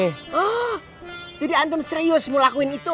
oh jadi antum serius mau lakuin itu